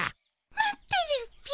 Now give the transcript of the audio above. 待ってるっピ？